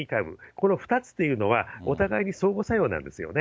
この２つというのは、お互いに相互作用なんですよね。